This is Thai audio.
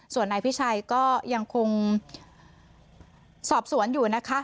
ส่วนนายพิชัยก็ยังคงสอบสวนอยู่นะคะ